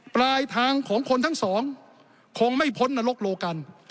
ปลายทางของคนทั้งสองคงไม่พ้นนรกโลกัน